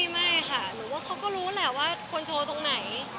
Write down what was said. ไม่ค่ะหนูว่าเขาก็รู้แหละว่าคนโชว์ตรงไหน